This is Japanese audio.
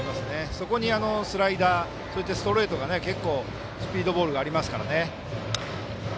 そこにスライダー、ストレートが結構、スピードボールがありますからね。